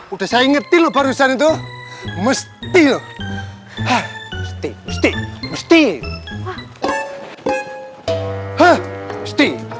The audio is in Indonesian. udah saya ngerti lu barusan itu musti musti musti musti musti